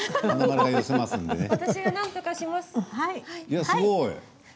すごい。